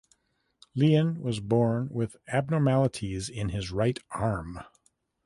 Lian was born with abnormalities in his right arm.